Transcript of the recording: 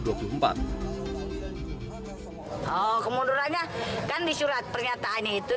oh kemundurannya kan di surat pernyataannya itu